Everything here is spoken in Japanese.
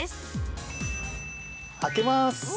開けます。